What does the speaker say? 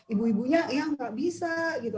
ibu ibunya ya nggak bisa gitu